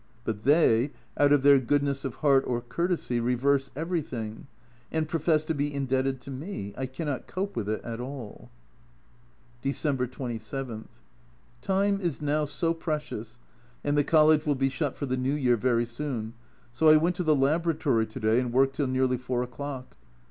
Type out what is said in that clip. But they, out of their goodness of heart or courtesy, reverse everything, and profess to be indebted to me ! I cannot cope with it at all. December 27. Time is now so precious, and the College will be shut for the New Year very soon, so I went to the laboratory to day and worked till nearly 4 o'clock.